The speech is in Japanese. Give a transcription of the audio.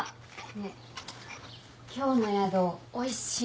ねえ今日の宿おいしい